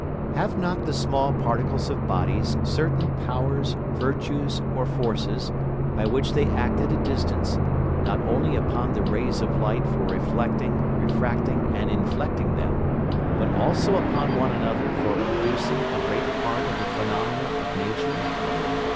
Have not the small Particles of Bodies certain Powers, Virtues, or Forces, by which they act at a distance, not only upon the Rays of Light for reflecting, refracting, and inflecting them, but also upon one another for producing a great Part of the Phænomena of Nature?